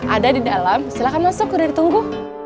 ada di dalam silahkan masuk udah ditunggu